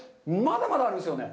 ただ、これまだまだあるんですよね。